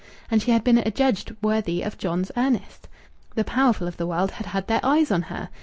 And she had been adjudged worthy of John's Ernest! The powerful of the world had had their eyes on her!